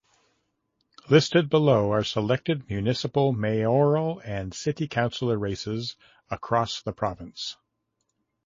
Listed below are selected municipal mayoral and city councillor races across the province.